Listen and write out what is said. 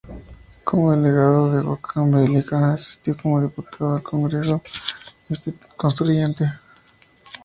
Como delegado de Huancavelica asistió como diputado al I Congreso Constituyente.